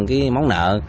cái món nợ